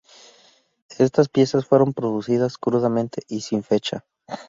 Estas piezas fueron producidas crudamente y sin fecha.